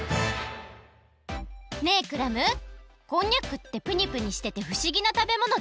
ねえクラムこんにゃくってプニプニしててふしぎなたべものだよね。